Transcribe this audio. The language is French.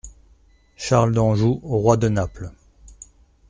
- Charles d'Anjou, roi de Naples.